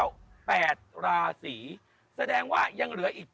วัดสุทัศน์นี้จริงแล้วอยู่มากี่ปีตั้งแต่สมัยราชการไหนหรือยังไงครับ